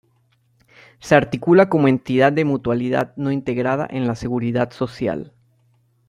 Se articula como entidad de mutualidad no integrada en la Seguridad Social.